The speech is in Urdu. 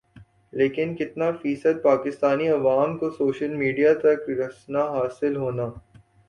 لیکن کِتنا فیصد پاکستانی عوام کو سوشل میڈیا تک رسنا حاصل ہونا